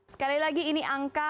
sekali lagi ini angka